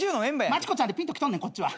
マチコちゃんでぴんときとんねんこっちは。